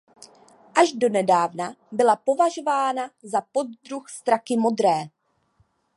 Až donedávna byla považována za poddruh straky modré.